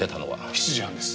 ７時半です。